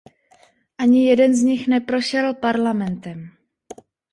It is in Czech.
Ani jeden z nich neprošel parlamentem.